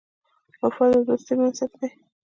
وفا د دوستۍ بنسټ دی.